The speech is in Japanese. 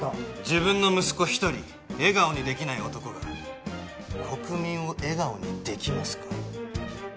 自分の息子一人笑顔にできない男が国民を笑顔にできますか？